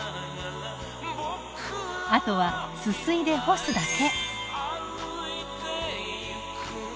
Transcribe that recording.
あとはすすいで干すだけ。